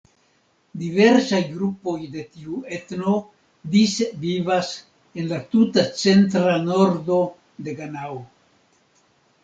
Diversaj grupoj de tiu etno dise vivas en la tuta centra nordo de Ganao.